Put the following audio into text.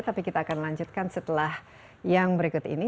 tapi kita akan lanjutkan setelah yang berikut ini